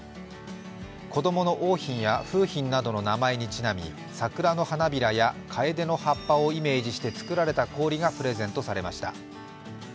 子供の桜浜や楓浜などの名前にちなみ、桜の花びらやかえでの葉っぱをイメージして作られた氷がプレゼントされました。